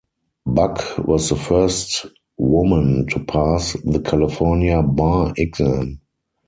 Buck was the first woman to pass the California Bar exam.